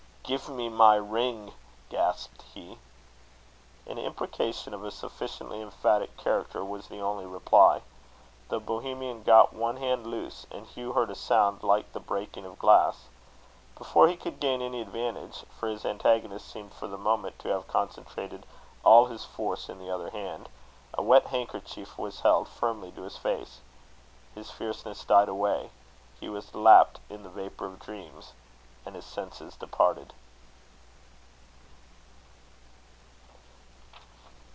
"Give me my ring," gasped he. An imprecation of a sufficiently emphatic character was the only reply. The Bohemian got one hand loose, and Hugh heard a sound like the breaking of glass. Before he could gain any advantage for his antagonist seemed for the moment to have concentrated all his force in the other hand a wet handkerchief was held firmly to his face. His fierceness died away; he was lapt in the vapour of dreams; and his senses departed.